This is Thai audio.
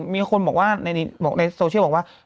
มีคนบอกว่าในโซเชียลบอกว่า